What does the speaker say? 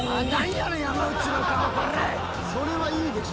それはいいでしょ。